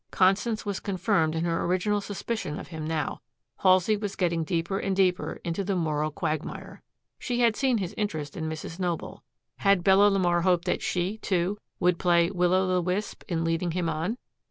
Constance was confirmed in her original suspicion of him now. Halsey was getting deeper and deeper into the moral quagmire. She had seen his interest in Mrs. Noble. Had Bella LeMar hoped that she, too, would play will o ' the wisp in leading him on?